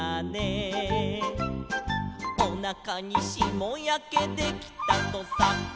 「おなかにしもやけできたとさ」